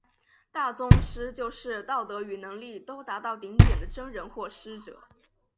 大宗师就是道德与能力都达到顶点的真人或师者。